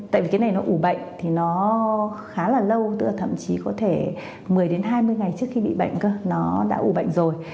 tại vì cái này nó ủ bệnh thì nó khá là lâu tựa thậm chí có thể một mươi hai mươi ngày trước khi bị bệnh nó đã ủ bệnh rồi